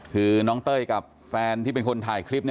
คือน้องเต้ยกับแฟนที่เป็นคนถ่ายคลิป